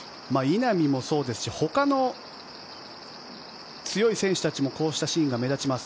稲見もそうですしほかの強い選手たちもこうしたシーンが目立ちます。